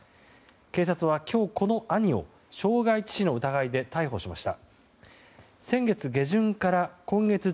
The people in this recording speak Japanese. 警察は今日、この兄を傷害致死の疑いで逮捕しました。